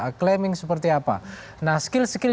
aclaiming seperti apa nah skill skill